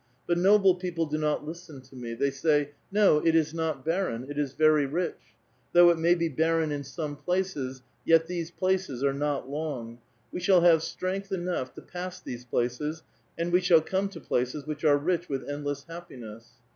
But noble people do not listen to me. They say, *' No, it is not barren, it is verj rich ; though it may be barren in some places, yet these places are not long ; we shall have strength enough to pass these places, and we shall come to places wiiieh are rich with endless happiness."